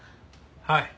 はい。